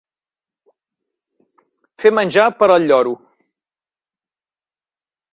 Fer menjar per al lloro.